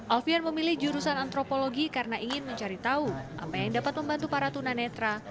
alfian memilih jurusan antropologi karena ingin mencari tahu apa yang dapat membantu para tunanetra